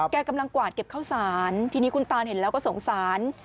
กำลังกวาดเก็บข้าวสารทีนี้คุณตานเห็นแล้วก็สงสาร